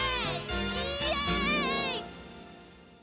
イエイ！